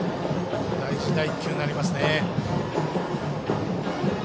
大事な１球になりますね。